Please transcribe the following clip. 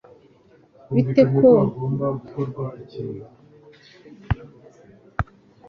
bite ho gukina gufata ahantu hatagaragara hafi? piksea